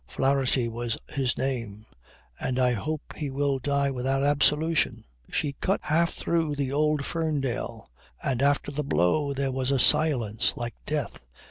Flaherty was his name and I hope he will die without absolution. She cut half through the old Ferndale and after the blow there was a silence like death.